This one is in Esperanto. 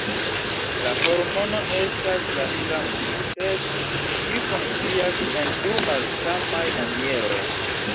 La hormono estas la sama, sed ĝi funkcias en du malsamaj manieroj.